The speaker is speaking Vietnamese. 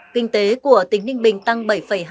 kinh tế của tỉnh ninh bình tăng bảy hai mươi bảy